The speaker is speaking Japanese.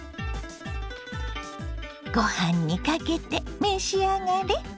ご飯にかけて召し上がれ。